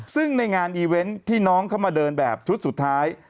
ซึ่งในงานอีเวนต์ที่น้องเข้ามาเดินแบบชุดสุดท้าย